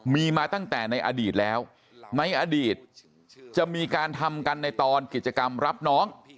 มีมาตั้งแต่ในอดีตแล้วในอดีตจะมีการทำกันในตอนกิจกรรมรับน้อง